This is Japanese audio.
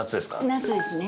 夏ですね。